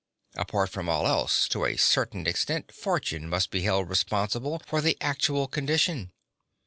(2) Apart from all else, to a certain extent fortune must be held responsible for the actual condition.